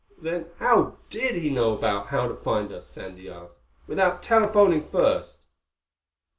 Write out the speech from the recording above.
"Then how did he know how to find us," Sandy asked, "without telephoning first?"